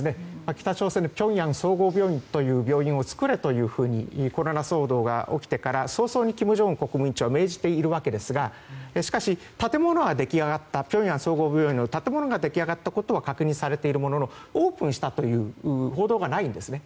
北朝鮮のピョンヤン総合病院というところも作れというようにコロナ騒動が起きてから早々に金正恩総書記は命じていますがピョンヤン総合病院の建物は出来上がったことは確認されているもののオープンしたという報道がないんですね。